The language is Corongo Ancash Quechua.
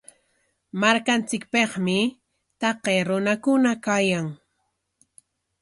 Markanchikpikmi taqay runakuna kayan.